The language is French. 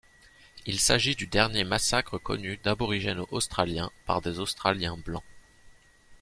Il s'agit du dernier massacre connu d'Aborigènes australiens par des Australiens blancs.